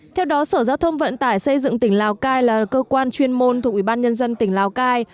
theo đó sở giao thông vận tải xây dựng tỉnh lào cai là cơ quan chuyên môn thuộc ủy ban nhân dân tỉnh lào cai